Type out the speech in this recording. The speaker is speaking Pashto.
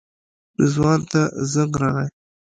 رضوان ته زنګ راغی.